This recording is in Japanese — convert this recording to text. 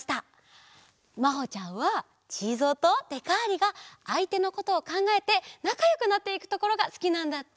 まほちゃんはチーゾウとデカーリがあいてのことをかんがえてなかよくなっていくところがすきなんだって。